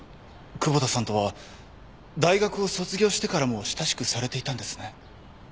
窪田さんとは大学を卒業してからも親しくされていたんですね。